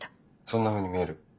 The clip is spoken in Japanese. そんなふうに見える？